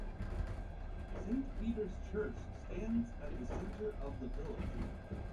Saint Peter's Church stands at the centre of the village.